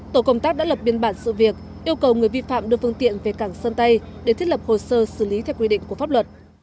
tổ công tác đã lập biên bản sự việc yêu cầu người vi phạm đưa phương tiện về cảng sơn tây để thiết lập hồ sơ xử lý theo quy định của pháp luật